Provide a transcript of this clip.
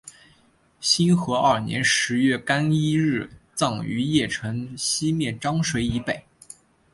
兴和二年十月廿一日葬于邺城西面漳水以北。